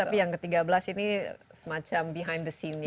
tapi yang ke tiga belas ini semacam behind the scene nya